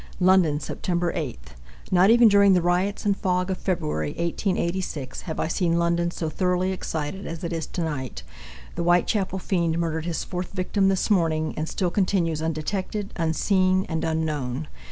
London, Sept. 8. Not even during the riots and fog of February, 1886, have I seen London so thoroughly excited as it is to night. The Whitechapel fiend murdered his fourth victim this morning and still continues undetected, unseen, and unknown.